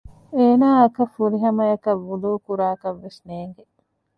އޭނާއަކަށް ފުރިހަމައަކަށް ވުޟޫ ކުރާކަށްވެސް ނޭގެ